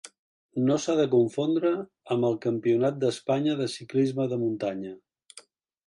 No s'ha de confondre amb el Campionat d'Espanya de ciclisme de muntanya.